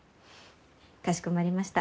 かしこまりました。